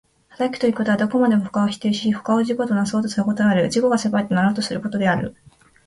働くということは、どこまでも他を否定し他を自己となそうとすることである、自己が世界となろうとすることである。